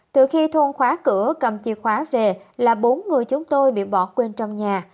từ khi thôn khóa cửa cầm chìa khóa về là bốn người chúng tôi bị bỏ quên trong nhà